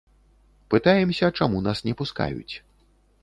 Пытаемся, чаму нас не пускаюць.